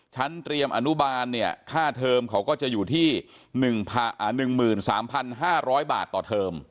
ชั้นเตรียมอนุบาลเนี่ยค่าเทอมเขาก็จะอยู่ที่๑๓๕๐๐บาทต่อเทอม